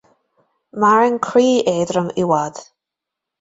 Maireann croí éadrom i bhfad